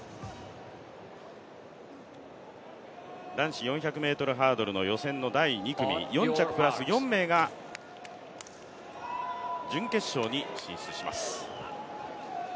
男子４００ｍハードルの予選の第２組、４着プラス４名が準決勝に進出します。